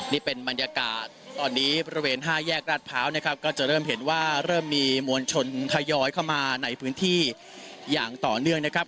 นี่เป็นบรรยากาศตอนนี้บริเวณห้าแยกราชพร้าวนะครับก็จะเริ่มเห็นว่าเริ่มมีมวลชนทยอยเข้ามาในพื้นที่อย่างต่อเนื่องนะครับ